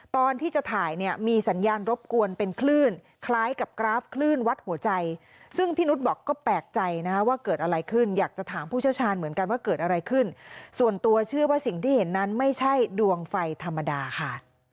ตอนที่จะถ่ายเนี่ยมีสัญญาณรบกวนเป็นคลื่นคล้ายกับกราฟคลื่นวัดหัวใจซึ่งพี่นุษย์บอกก็แปลกใจนะว่าเกิดอะไรขึ้นอยากจะถามผู้เชี่ยวชาญเหมือนกันว่าเกิดอะไรขึ้นส่วนตัวเชื่อว่าสิ่งที่เห็นนั้นไม่ใช่ดวงไฟธรรมดาค่ะ